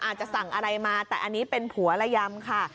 อาจจะสั่งอะไรมาแต่อันนี้เป็นผัวระยำค่ะ